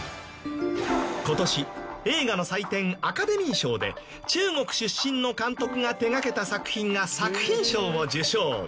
今年映画の祭典アカデミー賞で中国出身の監督が手掛けた作品が作品賞を受賞。